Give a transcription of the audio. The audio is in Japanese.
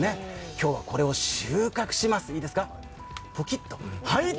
今日はこれを収穫します。